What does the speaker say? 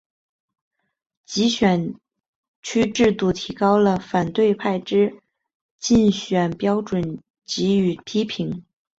集选区制度提高了反对派之竞选标准予以批评。